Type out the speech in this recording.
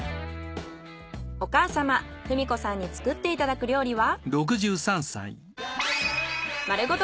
お母様富美子さんに作っていただく料理は？